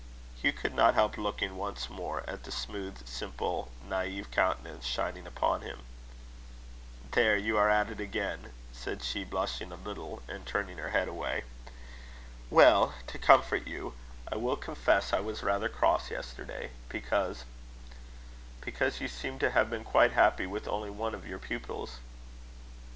Hugh could not help looking once more at the smooth, simple, naive countenance shining upon him. "There you are at it again," she said, blushing a little, and turning her head away. "Well, to comfort you, I will confess I was rather cross yesterday because because you seemed to have been quite happy with only one of your pupils."